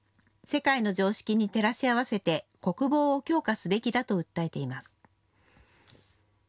世界の常識に照らし合わせて国防を強化すべきだと訴えています。